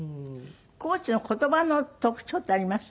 高知の言葉の特徴ってあります？